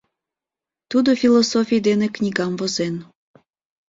Тудо философий дене книгам возен.